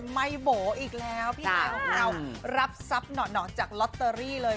ไม่โบ๋อีกแล้วพี่ฮายของเรารับทรัพย์หน่อจากลอตเตอรี่เลย